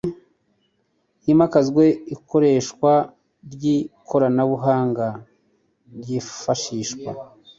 himakazwa ikoreshwa ry ikoranabuhanga ryifashishwa